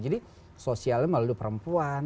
jadi sosialnya melalui perempuan